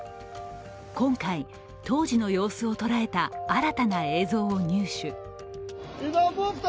今回、当時の様子をとらえた新たな映像を入手。